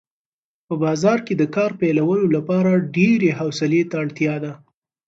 په بازار کې د کار پیلولو لپاره ډېرې حوصلې ته اړتیا ده.